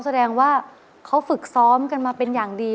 แสดงว่าเขาฝึกซ้อมกันมาเป็นอย่างดี